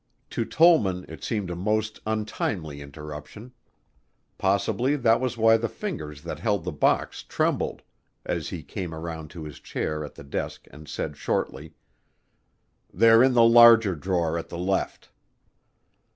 To Tollman it seemed a most untimely interruption. Possibly that was why the fingers that held the box trembled, as he came around to his chair at the desk and said shortly, "They're in the larger drawer at the left."